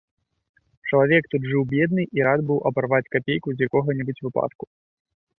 Чалавек тут жыў бедны і рад быў абарваць капейку з якога-небудзь выпадку.